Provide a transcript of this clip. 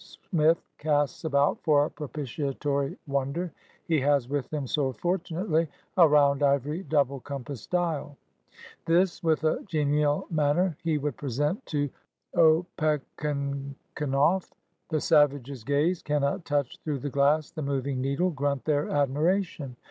Smith casts about for a propitiatory wonder. He has with him, so fortunately, *'a round ivory double compass dial.'* This, with a genial manner, he would present to Opechan canough. The savages gaze, cannot touch through the glass the moving needle, grunt their admira tion.